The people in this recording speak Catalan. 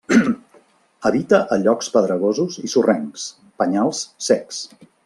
Habita a llocs pedregosos i sorrencs, penyals secs.